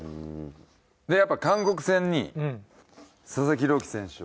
やっぱ韓国戦に佐々木朗希選手を。